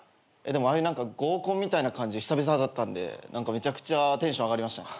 でもああいう合コンみたいな感じ久々だったんでめちゃくちゃテンション上がりましたね。